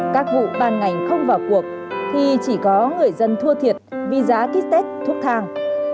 các vụ ban ngành không vào cuộc thì chỉ có người dân thua thiệt vì giá kích tết thuốc thang